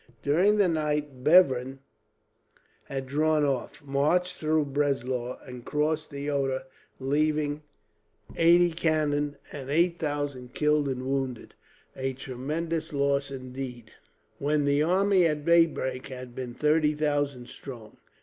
During the night Bevern had drawn off, marched through Breslau, and crossed the Oder, leaving eighty cannon and eight thousand killed and wounded a tremendous loss, indeed, when the army at daybreak had been thirty thousand strong.